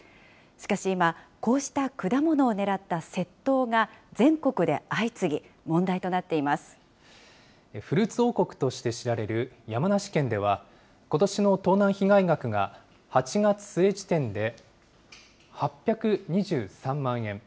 しかし今、こうした果物をねらった窃盗が全国で相次ぎ、フルーツ王国として知られる山梨県では、ことしの盗難被害額が、８月末時点で８２３万円。